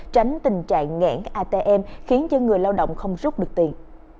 tránh tình trạng ngãn atm khiến người lao động không rút được tiền